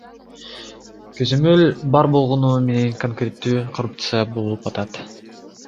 Көзөмөл бар болгону менен конкреттүү коррупция болуп атат.